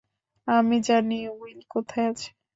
আমি জানি উইল কোথায় আছে।